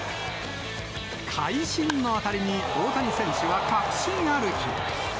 会心の当たりに大谷選手は確信歩き。